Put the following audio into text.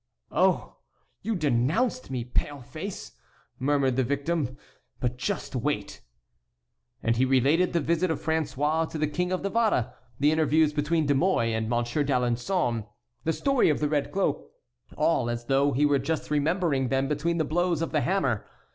"Oh! you denounced me, pale face!" murmured the victim; "but just wait!" And he related the visit of François to the King of Navarre, the interviews between De Mouy and Monsieur d'Alençon, the story of the red cloak, all as though he were just remembering them between the blows of the hammer.